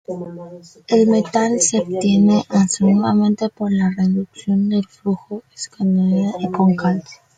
El metal se obtiene industrialmente por reducción del fluoruro de escandio con calcio.